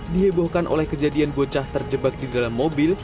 dihebohkan oleh kejadian bocah terjebak di dalam mobil